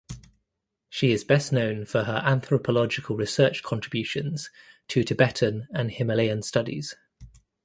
She is best known for her anthropological research contributions to Tibetan and Himalayan Studies.